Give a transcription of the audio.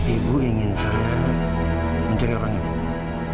ibu ingin saya mencari orang ini